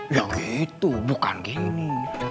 ya gitu bukan gini